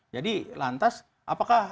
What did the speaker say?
jadi lantas apakah